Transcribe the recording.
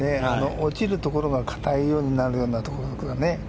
落ちるところが硬いようになるところね。